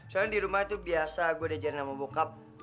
soalnya di rumah itu biasa gue diajarin sama bokap